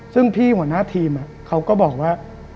ซึ่งพี่หัวหน้าทีมเขาก็บอกว่า